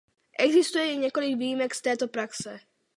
Existuje jen několik výjimek z této praxe.